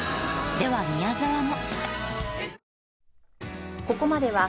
では宮沢も。